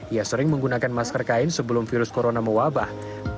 ia sering menggunakan masker kain sebelum virus corona mewabah